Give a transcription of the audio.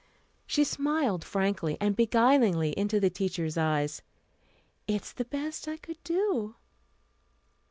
She smiled frankly and beguilingly into the teacher's eyes. "It's the best I could do."